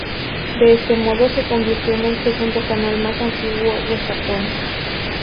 De este modo se convirtió en el segundo canal más antiguo de Japón.